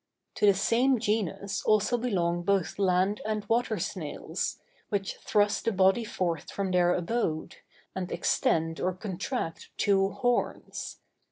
To the same genus also belong both land and water snails, which thrust the body forth from their abode, and extend or contract two horns.